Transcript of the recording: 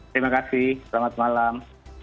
terima kasih selamat malam